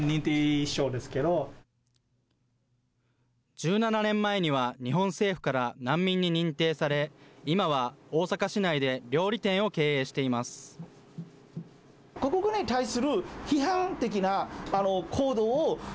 １７年前には、日本政府から難民に認定され、今は大阪市内で料理店を経営しています。